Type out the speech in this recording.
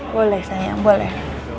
boleh sayang boleh